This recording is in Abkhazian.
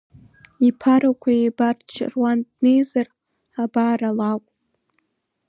Иԥарақәа ибарц Шьаруан днеизар, абар алакә!